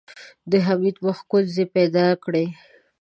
د حميد مخ ګونځې پيدا کړې.